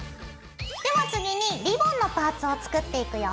では次にリボンのパーツを作っていくよ。